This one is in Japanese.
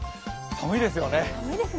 寒いですよね。